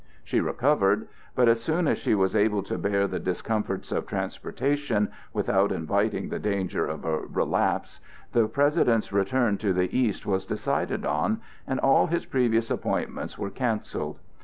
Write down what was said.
She recovered; but as soon as she was able to bear the discomforts of transportation, without inviting the danger of a relapse, the President's return to the East was decided on, and all his previous appointments were cancelled.